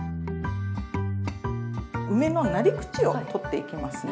梅の「なり口」を取っていきますね。